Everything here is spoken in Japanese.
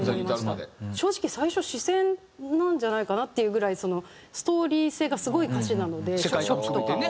正直最初詞先なんじゃないかなっていうぐらいストーリー性がすごい歌詞なので初期とか。